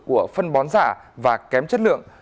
của phân bón giả và kém chất lượng